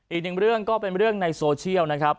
อีกหนึ่งเรื่องก็เป็นเรื่องในโซเชียลนะครับ